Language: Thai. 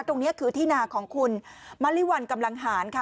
ตรงนี้คือที่นาของคุณมะลิวัลกำลังหารค่ะ